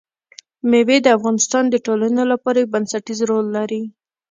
مېوې د افغانستان د ټولنې لپاره یو بنسټيز رول لري.